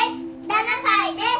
７歳です。